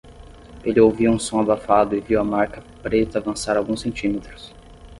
Ele ouviu um som abafado e viu a marca preta avançar alguns centímetros.